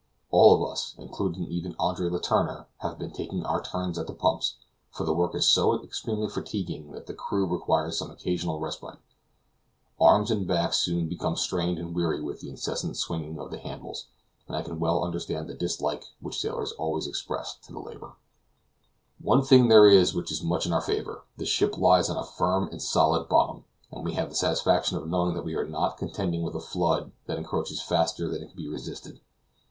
All of us, including even Andre Letourneur, have been taking our turn at the pumps, for the work is so extremely fatiguing that the crew require some occasional respite; arms and back soon become strained and weary with the incessant swing of the handles, and I can well understand the dislike which sailors always express to the labor. One thing there is which is much in our favor; the ship lies on a firm and solid bottom, and we have the satisfaction of knowing that we are not contending with a flood that encroaches faster than it can be resisted.